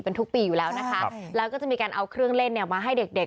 เป็นทุกปีอยู่แล้วนะคะแล้วก็จะมีการเอาเครื่องเล่นเนี่ยมาให้เด็กเด็ก